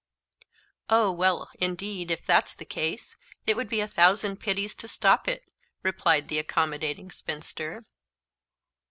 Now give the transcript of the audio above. "Oh! well, indeed, if that's the case, it would be a thousand pities to stop it," replied the accommodating spinster.